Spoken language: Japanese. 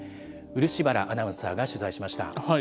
漆原アナウンサーが取材しました。